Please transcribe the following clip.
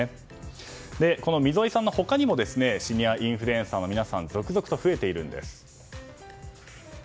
この溝井さんの他にもシニアインフルエンサーの皆さん続々と増えているんです。